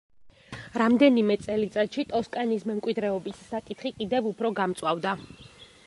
რამდენიმე წელიწადში, ტოსკანის მემკვიდრეობის საკითხი კიდევ უფრო გამწვავდა.